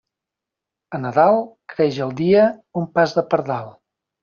A Nadal creix el dia un pas de pardal.